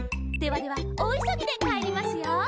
「ではではおおいそぎでかえりますよ」